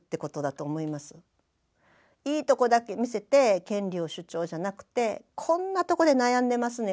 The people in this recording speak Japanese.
いいとこだけ見せて権利を主張じゃなくてこんなとこで悩んでますねん。